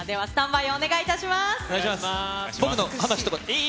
スタンバイお願いします。